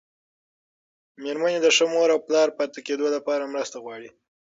مېرمنې د ښه مور او پلار پاتې کېدو لپاره مرسته غواړي.